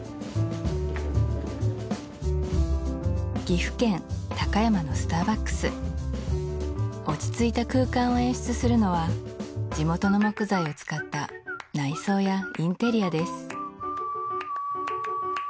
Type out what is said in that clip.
岐阜県高山のスターバックス落ち着いた空間を演出するのは地元の木材を使った内装やインテリアです